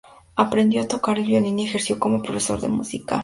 Aprendió a tocar el violín y ejerció como profesor de música.